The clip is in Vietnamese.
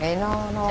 thời gian rất nhắn